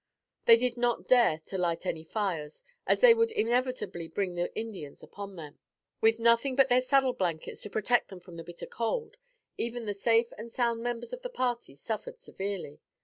They did not dare to light any fires, as they would inevitably bring the Indians upon them. With nothing but their saddle blankets to protect them from the bitter cold, even the safe and sound members of the party suffered severely.